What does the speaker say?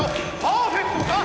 パーフェクトか？